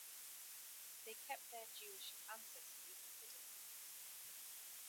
They kept their Jewish ancestry hidden.